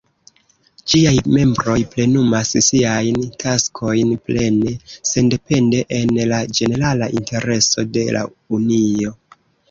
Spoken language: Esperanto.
Ĝiaj membroj plenumas siajn taskojn plene sendepende, en la ĝenerala intereso de la Unio.